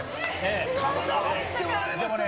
体張っておられましたね。